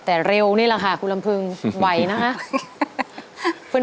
แต่เร็วนี่แหละค่ะคุณลำพึงไหวนะคะ